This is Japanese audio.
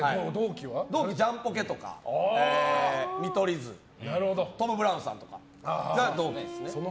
同期はジャンポケとか見取り図、トム・ブラウンさんが同期ですね。